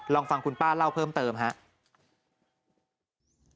ลองฟังคุณป้าเล่าเพิ่มเติมครับ